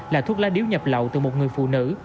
là thuốc lá điếu nhập lậu từ một người phụ nữ